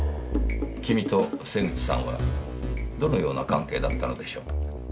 君と瀬口さんはどのような関係だったのでしょう？